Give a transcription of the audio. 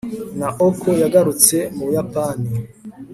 naoko yagarutse mu buyapani